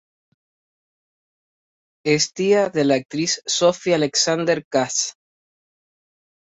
Es tía de la actriz Sophie Alexander-Katz.